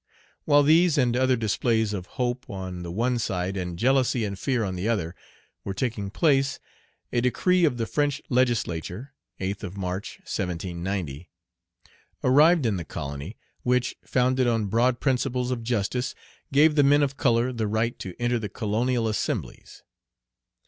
While these and other displays of hope on the one side, and jealousy and fear on the other, were taking place, a decree of the French Legislature (8th of March, 1790) arrived in the colony, which, founded on broad principles of justice, gave the men of color the right to enter the colonial assemblies.